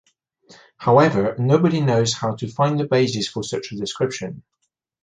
However, nobody knows how to find the basis for such a description.